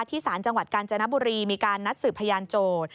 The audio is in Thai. ที่ศาลจังหวัดกราณจนบุรีมีการนัดสืบพยานโจร